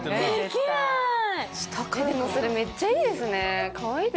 でもそれめっちゃいいですね。